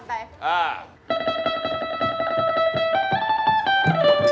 โอ้โฮ